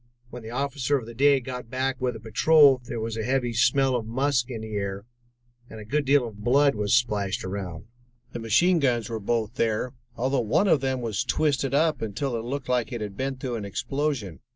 When the officer of the day got back with a patrol, there was a heavy smell of musk in the air, and a good deal of blood was splashed around. The machine guns were both there, although one of them was twisted up until it looked like it had been through an explosion.